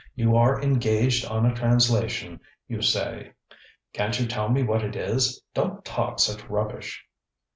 You are engaged on a translation, you say; canŌĆÖt you tell me what it is? DonŌĆÖt talk such rubbish!